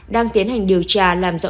đang tiến hành điều tra làm rõ